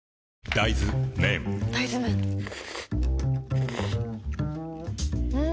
大豆麺ん？